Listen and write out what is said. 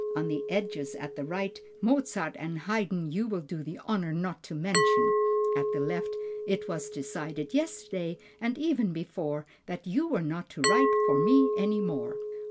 On the edges at the right: "Mozart and Haydn you will do the honor not to mention"; at the left: "It was decided yesterday, and even before, that you were not to write for me any more."